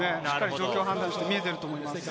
状況判断して見えてると思います。